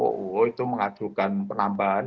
dan uu itu mengajukan penambahan